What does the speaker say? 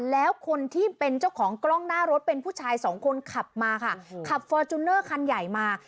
แล้วคนที่เป็นเจ้าของกล้องหน้ารถเป็นผู้ชายสองคนขับมาค่ะขับฟอร์จูเนอร์คันใหญ่มา